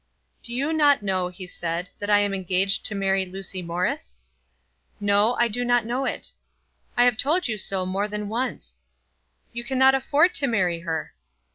"Do you not know," he said, "that I am engaged to marry Lucy Morris?" "No; I do not know it." "I have told you so more than once." "You cannot afford to marry her."